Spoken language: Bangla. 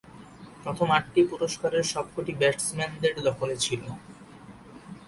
প্রথম আটটি পুরস্কারের সবকটি ব্যাটসম্যানদের দখলে ছিল।